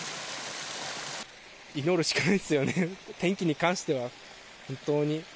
祈るしかないですよね、天気に関しては本当に。